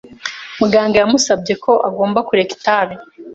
Muganga yamusabye ko agomba kureka itabi.